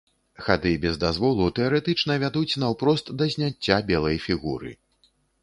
Хады без дазволу тэарэтычна вядуць наўпрост да зняцця белай фігуры.